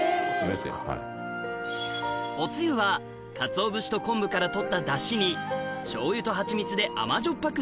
おつゆはかつお節と昆布から取ったダシにしょうゆとはちみつで甘じょっ